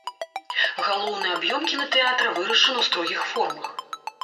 Галоўны аб'ём кінатэатра вырашана ў строгіх формах.